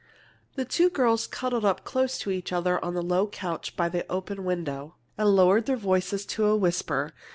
The two girls cuddled up close to each other on the low couch by the open window and lowered their voices to a whisper.